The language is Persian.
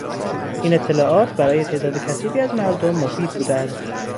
این اطلاعات برای تعداد کثیری از مردم مفید بوده است.